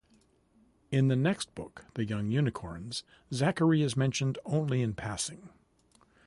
In the next book, "The Young Unicorns", Zachary is mentioned only in passing.